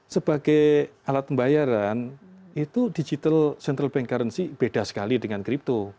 sebagai alat pembayaran itu digital central bank currency beda sekali dengan crypto